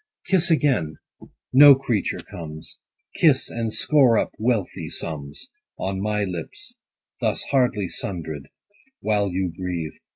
Kiss again : no creature comes. Kiss, and score up wealthy sums On my lips, thus hardly sundred, While you breathe.